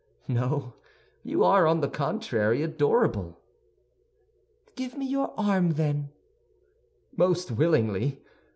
"No; you are, on the contrary, adorable." "Give me your arm, then." "Most willingly.